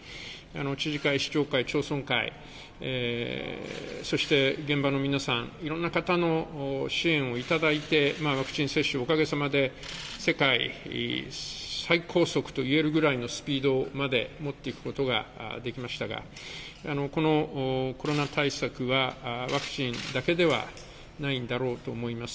知事会、市長会、町村会、そして現場の皆さん、いろんな方の支援を頂いて、ワクチン接種をおかげさまで、世界最高速といえるぐらいのスピードまで持っていくことができましたが、このコロナ対策は、ワクチンだけではないんだろうと思います。